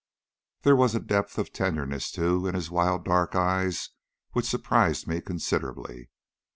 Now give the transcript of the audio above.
There was a depth of tenderness too in his wild dark eyes which surprised me considerably.